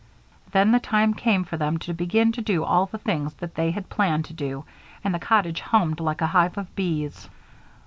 Then the time came for them to begin to do all the things that they had planned to do, and the cottage hummed like a hive of bees.